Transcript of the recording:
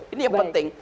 ini yang penting